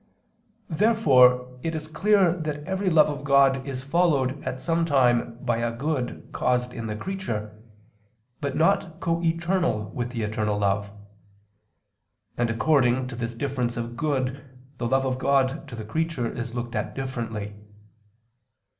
Therefore it is clear that every love of God is followed at some time by a good caused in the creature, but not co eternal with the eternal love. And according to this difference of good the love of God to the creature is looked at differently.